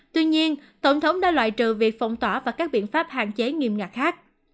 tuy nhiên tổng thống đã loại trừ việc phong tỏa và các biện pháp hạn chế nghiêm ngặt khác